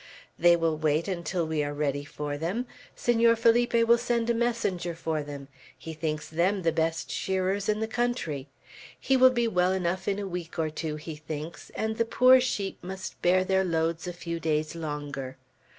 They will wait until we are ready for them. Senor Felipe will send a messenger for them. He thinks them the best shearers in the country. He will be well enough in a week or two, he thinks, and the poor sheep must bear their loads a few days longer.